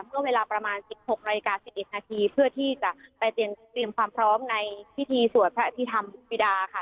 เมื่อเวลาประมาณ๑๖นาฬิกา๑๑นาทีเพื่อที่จะไปเตรียมความพร้อมในพิธีสวดพระอภิษฐรรมบิดาค่ะ